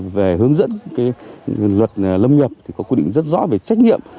về hướng dẫn cái luật lâm nhập thì có quy định rất rõ về trách nhiệm